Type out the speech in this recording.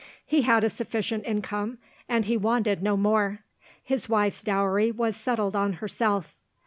He had a sufficient income, and he wanted no more. His wife's dowry was settled on herself.